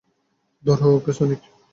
ধরো okay, Sonic!